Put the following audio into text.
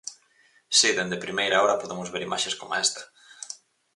Si, dende primeira hora podemos ver imaxes coma esta.